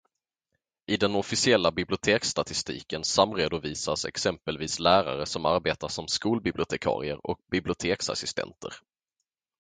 I den officiella biblioteksstatistiken samredovisas exempelvis lärare som arbetar som skolbibliotekarier och biblioteksassistenter.